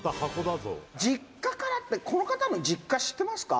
「実家からってこの方の実家、知ってますか？」